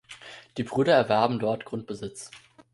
Die Brüder erwarben dort Grundbesitz.